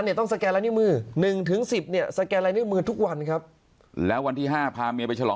ห้ามีนะคมหน่อยแฮกษ์ประโยชน์